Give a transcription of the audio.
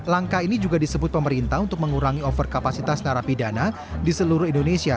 langkah ini juga disebut pemerintah untuk mengurangi overkapasitas narapidana di seluruh indonesia